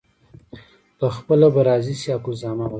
پخپله به راضي شي حق الزحمه ورکړي.